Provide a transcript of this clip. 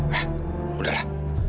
hah udah lah